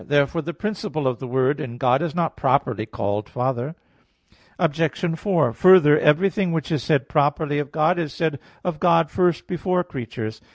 Therefore the principle of the Word in God is not properly called Father. Obj. 4: Further, everything which is said properly of God, is said of God first before creatures.